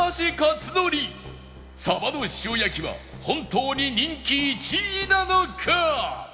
さばの塩焼は本当に人気１位なのか？